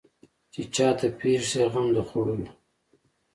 چې چا ته پېښ شي غم د خوړلو.